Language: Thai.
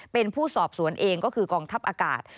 เป็นผู้สอบสวนเองก็คือกองทัพอากาศ